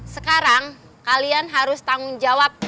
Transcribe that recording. sekarang kalian harus tanggung jawab